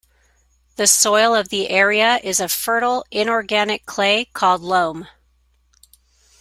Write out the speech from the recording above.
The soil of the area is a fertile inorganic clay called loam.